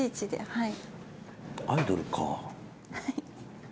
はい。